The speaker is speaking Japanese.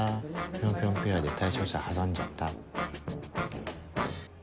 ピョンピョンペアで対象者挟んじゃった。